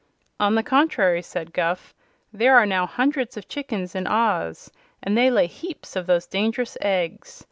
"On the contrary," said Guph, "there are now hundreds of chickens in Oz, and they lay heaps of those dangerous eggs.